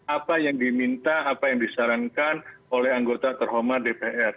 apa yang diminta apa yang disarankan oleh anggota terhormat dpr